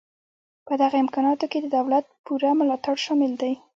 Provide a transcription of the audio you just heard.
په دغه امکاناتو کې د دولت پوره ملاتړ شامل دی